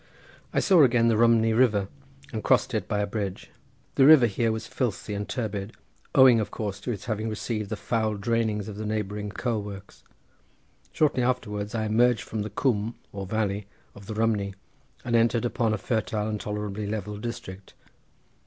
I saw again the Rhymni river, and crossed it by a bridge; the river here was filthy and turbid owing of course to its having received the foul drainings of the neighbouring coal works—shortly afterwards I emerged from the coom or valley of the Rhymni and entered upon a fertile and tolerably level district.